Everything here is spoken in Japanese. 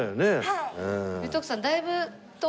はい。